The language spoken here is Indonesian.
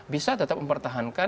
bisa tetap mempertahankan